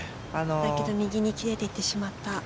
だけど右に切れていってしまった。